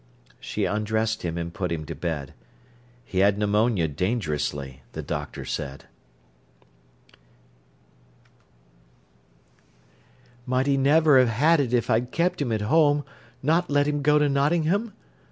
She undressed him and put him to bed. He had pneumonia dangerously, the doctor said. "Might he never have had it if I'd kept him at home, not let him go to Nottingham?"